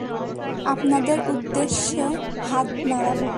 আপনাদের উদ্দেশ্যে হাত নাড়াবো।